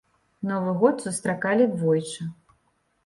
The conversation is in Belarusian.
Новы год сустракалі двойчы.